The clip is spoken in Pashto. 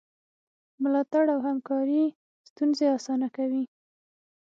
ملاتړ او همکاري ستونزې اسانه کوي.